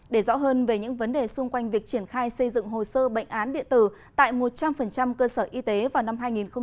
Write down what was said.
để rõ hơn về những vấn đề xung quanh việc triển khai xây dựng hồ sơ bệnh án điện tử tại một trăm linh cơ sở y tế vào năm hai nghìn ba mươi